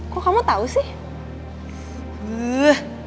kok kamu tau sih